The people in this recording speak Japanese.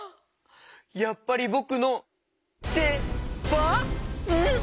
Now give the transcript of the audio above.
やっぱりぼくのでばん？